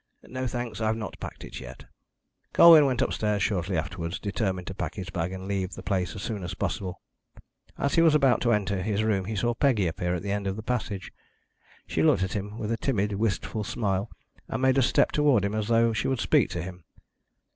"No, thanks, I've not packed it yet." Colwyn went upstairs shortly afterwards determined to pack his bag and leave the place as soon as possible. As he was about to enter his room he saw Peggy appear at the end of the passage. She looked at him with a timid, wistful smile, and made a step towards him, as though she would speak to him.